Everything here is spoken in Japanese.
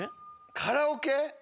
カラオケ？